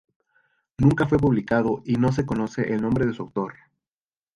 Nunca fue publicado y no se conoce el nombre de su autor.